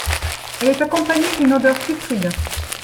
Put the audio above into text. Elle est accompagnée d'une odeur putride.